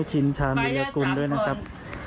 ช่วยกันแชร์ด้วยนะครับ